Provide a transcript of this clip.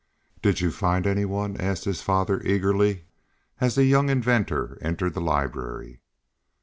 "Did you find any one?" asked his father eagerly as the young inventor entered the library.